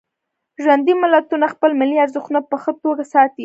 ژوندي ملتونه خپل ملي ارزښتونه په ښه توکه ساتي.